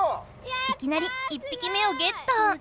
いきなり１匹目をＧＥＴ！